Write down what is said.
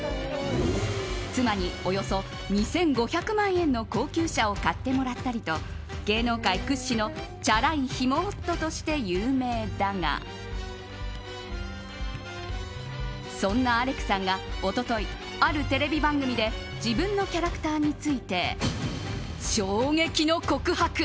妻におよそ２５００万円の高級車を買ってもらったりと芸能界屈指のチャラいヒモ夫として有名だがそんなアレクさんが一昨日、あるテレビ番組で自分のキャラクターについて衝撃の告白。